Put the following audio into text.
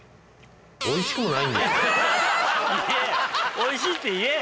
おいしいって言え！